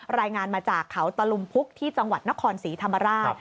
รายงานมาจากเขาตะลุมพุกที่จังหวัดนครศรีธรรมราช